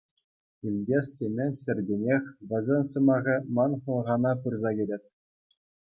Итлес темен ҫӗртенех вӗсен сӑмахӗ ман хӑлхана пырса кӗрет.